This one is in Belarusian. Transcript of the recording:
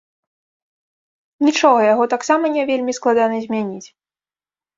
Нічога, яго таксама не вельмі складана змяніць.